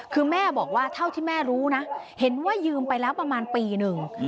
คือแม่บอกว่าเท่าที่แม่รู้นะเห็นว่ายืมไปแล้วประมาณปีหนึ่ง